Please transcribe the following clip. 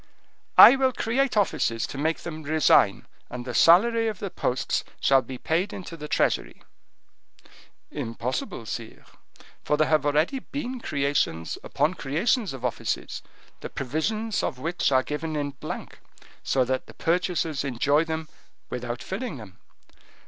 "I will create offices to make them resign, and the salary of the posts shall be paid into the treasury." "Impossible, sire, for there have already been creations upon creations of offices, the provisions of which are given in blank, so that the purchasers enjoy them without filling them.